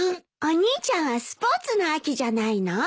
お兄ちゃんはスポーツの秋じゃないの？